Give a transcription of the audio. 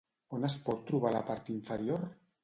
On es pot trobar la part inferior?